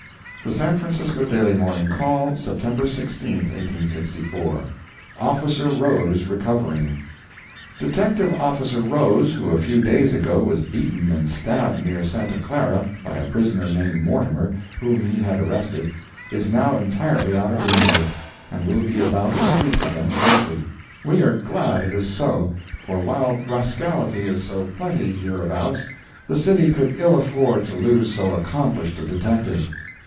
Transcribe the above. The San Francisco Daily Morning Call, September 16, 1864 OFFICER ROSE RECOVERING Detective Officer Rose, who a few days ago was beaten and stabbed near Santa Clara, by a prisoner named Mortimer, whom he had arrested, is now entirely out of danger, and will be about the streets again shortly. We are glad it is so, for while rascality is so plenty hereabouts, the city could ill afford to lose so accomplished a detective.